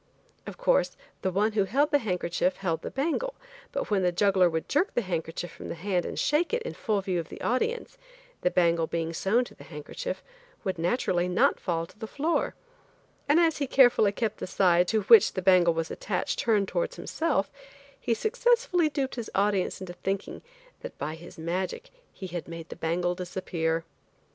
Of course, the one who held the handkerchief held the bangle, but when the juggler would jerk the handkerchief from the hand, and shake it, in full view of his audience, the bangle being sewn to the handkerchief, would naturally not fall to the floor, and as he carefully kept the side to which the bangle was attached turned towards himself, he successfully duped his audience into thinking, that by his magic, he had made the bangle disappear.